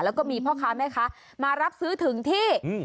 แล้วก็มีพ่อค้าแม่ค้ามารับซื้อถึงที่